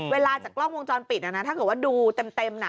จากกล้องวงจรปิดถ้าเกิดว่าดูเต็ม